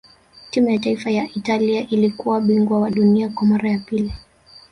timu ya taifa ya italia ilikuwa bingwa wa dunia kwa mara ya pili